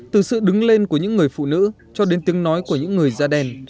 từ sự đứng lên của những người phụ nữ cho đến tiếng nói của những người da đen